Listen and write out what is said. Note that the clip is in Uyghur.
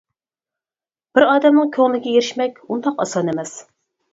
بىر ئادەمنىڭ كۆڭلىگە ئېرىشمەك ئۇنداق ئاسان ئەمەس.